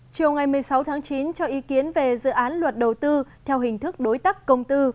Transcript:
chiều ngày một mươi sáu tháng chín cho ý kiến về dự án luật đầu tư theo hình thức đối tác công tư